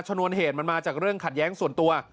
นวนเหตุมันมาจากเรื่องขัดแย้งส่วนตัว